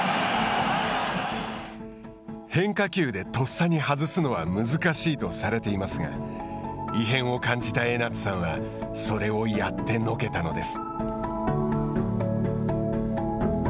変化球でとっさに外すのは難しいとされていますが異変を感じた江夏さんはそれをやってのけたのです。